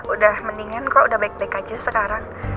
udah mendingan kok udah baik baik aja sekarang